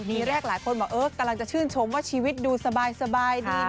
ทีแรกหลายคนบอกเออกำลังจะชื่นชมว่าชีวิตดูสบายดี